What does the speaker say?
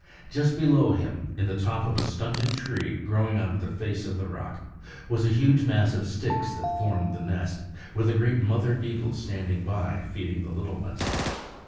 Just below him, in the top of a stunted tree growing out of the face of the rock was a huge mass of sticks that formed the nest, with a great mother eagle standing by, feeding the little ones.